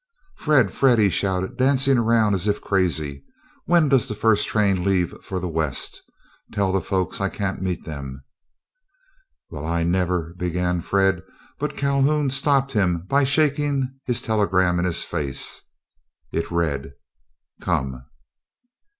"Fred, Fred!" he shouted, dancing around as if crazy, "when does the first train leave for the west? Tell the folks I can't meet them." "Well, I never—" began Fred, but Calhoun stopped him by shaking his telegram in his face. It read: "Come.